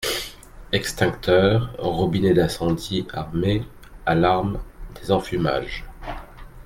Extincteurs, robinet d’incendie armé, alarme, désenfumage.